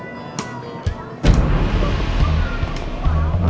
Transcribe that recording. tidak ada kemungkinan